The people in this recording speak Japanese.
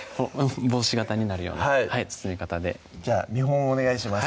帽子型になるような包み方でじゃあ見本お願いします